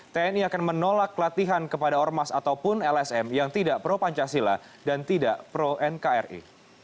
tni akan menolak latihan kepada ormas ataupun lsm yang tidak pro pancasila dan tidak pro nkri